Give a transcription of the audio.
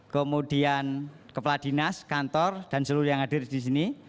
kemudian kepala dinas kantor dan seluruh yang hadir di sini